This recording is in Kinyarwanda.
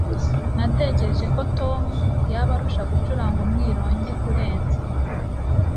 Natekereje ko Tom yaba arusha gucuranga umwironge kurenza